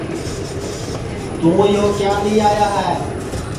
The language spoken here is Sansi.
توں یو کیا لی آیا ہے